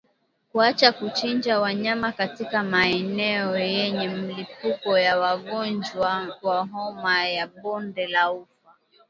Kuacha kuchinja wanyama katika maeneo yenye milipuko ya ugonjwa wa homa ya bonde la ufa